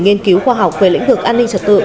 nghiên cứu khoa học về lĩnh vực an ninh trật tự